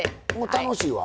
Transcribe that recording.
楽しいわ。